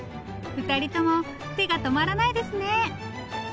２人とも手が止まらないですね。